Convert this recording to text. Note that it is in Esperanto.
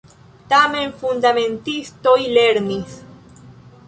Tamen fundamentistoj lernis.